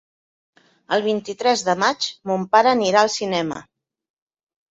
El vint-i-tres de maig mon pare anirà al cinema.